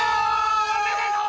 おめでとう！